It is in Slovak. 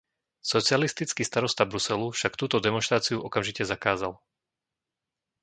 Socialistický starosta Bruselu však túto demonštráciu okamžite zakázal.